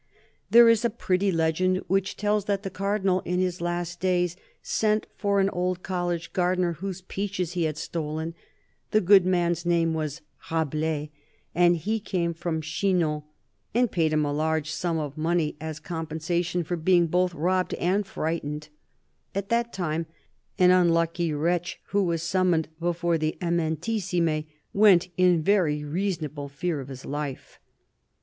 There is a pretty legend which tells that the Cardinal, in his last days, sent for an old college gardener whose peaches he had stolen— the good man's name was Rabelais, and he came from Chinon — and paid him a large sum of money as compensation for being both robbed and frightened : at that time, an unlucky wretch who was summoned before the Eminentissime went in very reasonable fear of his life.